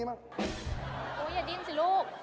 เข้มสิลุก